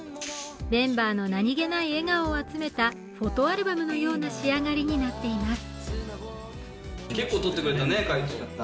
メンバーの何気ない笑顔を集めたフォトアルバムのような仕上がりになっています。